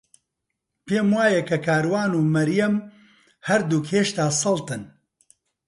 پێم وایە کە کاروان و مەریەم هەردووک هێشتا سەڵتن.